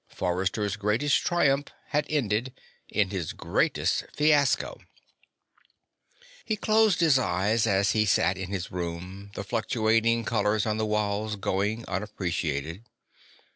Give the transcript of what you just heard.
Forrester's greatest triumph had ended in his greatest fiasco. He closed his eyes as he sat in his room, the fluctuating colors on the walls going unappreciated.